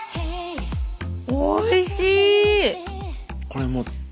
おいしい！